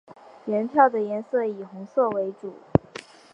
原票的颜色以红色为主。